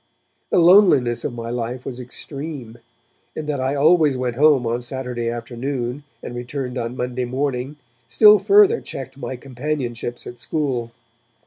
The loneliness of my life was extreme, and that I always went home on Saturday afternoon and returned on Monday morning still further checked my companionships at school.